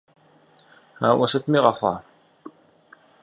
Ауэ сытми къэхъуа!